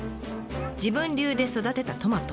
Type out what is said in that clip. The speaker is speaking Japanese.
自分流で育てたトマト。